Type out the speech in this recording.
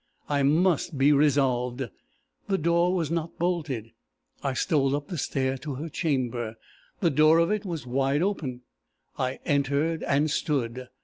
I must be resolved! The door was not bolted; I stole up the stair to her chamber. The door of it was wide open. I entered, and stood.